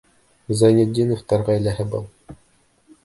Зәйнетдиновтар ғаиләһе был.